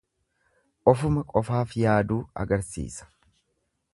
Ofuma qofaaf yaaduu agarsiisa.